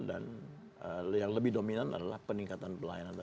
dan yang lebih dominan adalah peningkatan pelayanan